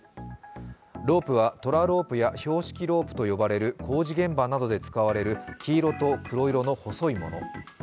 ロープや、トラロープや標識ロープと呼ばれる工事現場などで使われる黄色と黒色の細いもの。